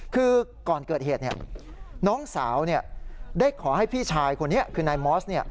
คือก่อนเกิดเหตุน้องสาวได้ขอให้พี่ชายคนนี้คือนายมอส